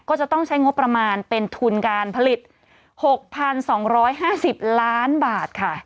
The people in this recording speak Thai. ก็จะต้องใช้งบประมาณเป็นทุนการผลิต๖๒๕๐ล้านบาทค่ะ